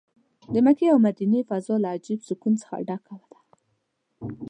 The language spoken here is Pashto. د مکې او مدینې فضا له عجب سکون څه ډکه ده.